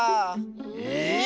え？